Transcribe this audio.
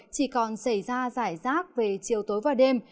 chỉ còn xảy ra giải rác về chiều tối và đêm